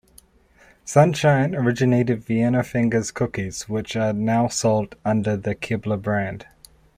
Sunshine originated Vienna Fingers cookies, which are now sold under the Keebler brand.